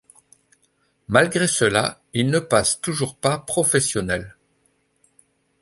Malgré cela, il ne passe toujours pas professionnel.